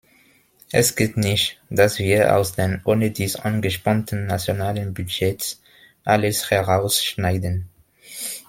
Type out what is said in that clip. Es geht nicht, dass wir aus den ohnedies angespannten nationalen Budgets alles herausschneiden.